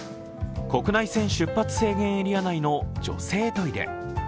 国内線出発制限エリア内の女性トイレ。